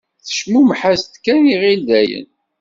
Tecmummeḥ-as-d kan iɣill dayen.